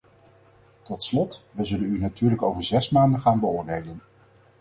Tot slot, we zullen u natuurlijk over zes maanden gaan beoordelen.